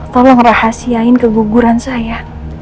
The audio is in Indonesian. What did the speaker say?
tolong rahasiain keguguran saya